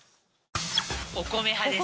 お米派です。